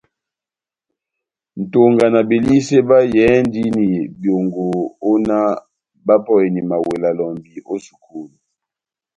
Nʼtonga na Belisé bayɛhɛndini byongo ó náh bapɔheni mawela lɔmbi ó sukulu.